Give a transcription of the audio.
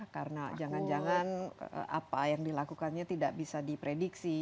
karena jangan jangan apa yang dilakukannya tidak bisa diprediksi